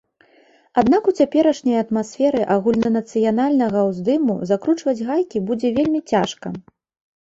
Аднак у цяперашняй атмасферы агульнанацыянальнага ўздыму закручваць гайкі будзе вельмі цяжка.